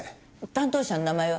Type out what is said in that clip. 担当者の名前は？